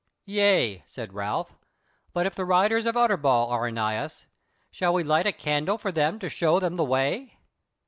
"Yea," said Ralph, "but if the riders of Utterbol are anigh us, shall we light a candle for them to show them the way?"